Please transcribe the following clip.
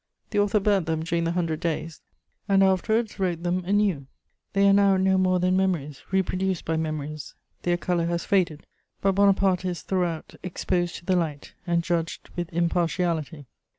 The author burnt them during the Hundred Days, and afterwards wrote them anew: they are now no more than memories reproduced by memories; their colour has faded; but Bonaparte is throughout exposed to the light and judged with impartiality.